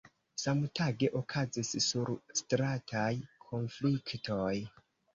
Samtage okazis surstrataj konfliktoj.